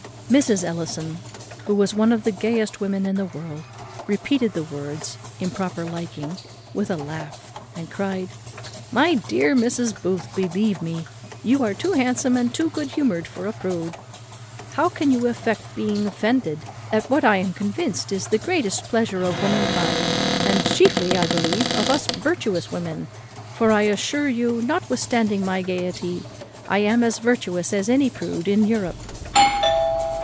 Mrs. Ellison, who was one of the gayest women in the world, repeated the words, improper liking, with a laugh; and cried, "My dear Mrs. Booth, believe me, you are too handsome and too good humoured for a prude. How can you affect being offended at what I am convinced is the greatest pleasure of womankind, and chiefly, I believe, of us virtuous women? for, I assure you, notwithstanding my gaiety, I am as virtuous as any prude in Europe."